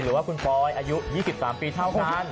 หรือว่าคุณปอยอายุ๒๓ปีเท่ากัน